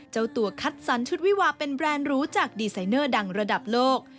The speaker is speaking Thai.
เจ้าตัวคัดสรรชุดวิวาเป็นแบรนด์รู้จากดีไซเนอร์ดังระดับโลก